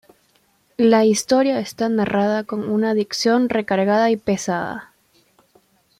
La historia está narrada con una dicción recargada y pesada.